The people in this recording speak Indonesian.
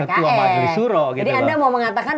ketua majelisuro jadi anda mau mengatakan